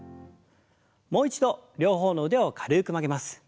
もう一度両方の腕を軽く曲げます。